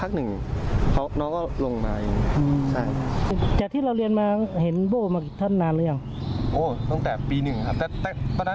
เขาก็จะเดินเล่นแถวแถวนี้อะครับ